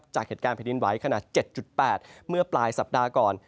จากเหตุการณ์แผ่นดินไหวขนาด๗๘เมื่อปลายสัปดาห์ก่อน